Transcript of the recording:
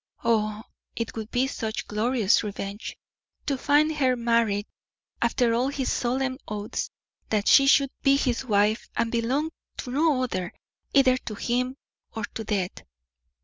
Oh, it would be such glorious revenge, to find her married, after all his solemn oaths that she should be his wife, and belong to no other either to him or to death!